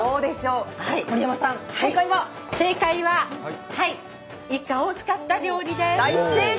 正解はイカを使った料理です。